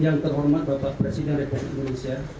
yang terhormat bapak presiden republik indonesia